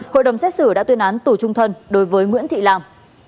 hội đồng xét xử đã tuyên án tù trung thân đối với nguyễn thị làm